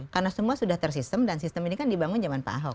karena semua sudah tersistem dan sistem ini kan dibangun zaman pak ahok